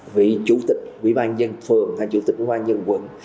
vị chủ tịch vị ban dân phường hay chủ tịch vị ban dân quận